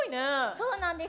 そうなんです。